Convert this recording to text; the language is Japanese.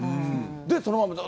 で、そのまま。